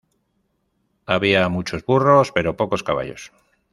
Había muchos burros, pero pocos caballos.